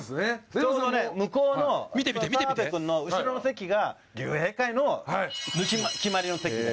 ちょうど向こうの澤部君の後ろの席が竜兵会の決まりの席で。